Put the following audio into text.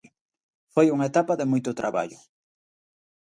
Foi unha etapa de moito traballo.